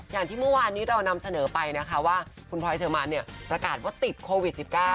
อย่างที่เมื่อวานนี้เรานำเสนอไปนะคะว่าคุณพลอยเชอร์มานเนี่ยประกาศว่าติดโควิด๑๙